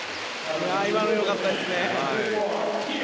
今のよかったですね。